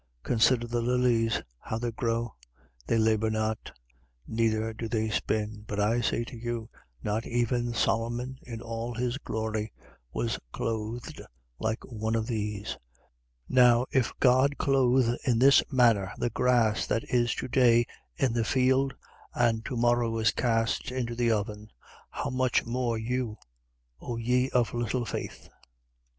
Consider the lilies, how they grow: they labour not, neither do they spin. But I say to you, not even Solomon in all his glory was clothed like one of these. 12:28. Now, if God clothe in this manner the grass that is to day in the field and to morrow is cast into the oven: how much more you, O ye of little faith?